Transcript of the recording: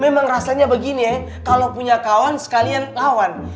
memang rasanya begini ya kalo punya kawan sekalian lawan